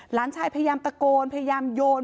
หลานชายพยายามตะโกนพยายามโยน